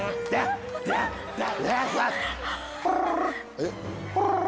えっ？